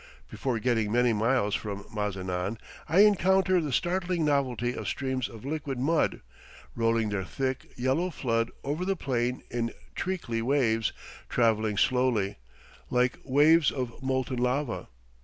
Before getting many miles from Mazinan, I encounter the startling novelty of streams of liquid mud, rolling their thick, yellow flood over the plain in treacly waves, travelling slowly, like waves of molten lava.